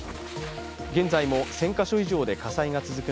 現在も１０００か所以上で火災が続く